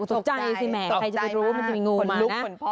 ตกใจมากใครจะรู้ว่ามันจะมีงูมานะ